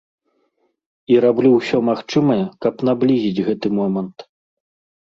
І раблю ўсё магчымае, каб наблізіць гэты момант.